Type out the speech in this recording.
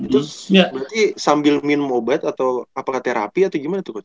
berarti sambil minum obat atau apakah terapi atau gimana tuh coach